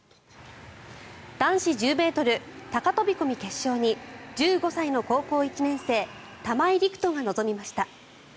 男子１０ｍ高飛込決勝に１５歳の高校１年生玉井陸斗が臨みました。